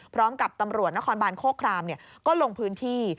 พร้อมกับตำรวจนครบานโฆครามเนี่ยก็ลงพื้นที่